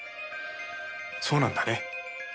そうなんだね。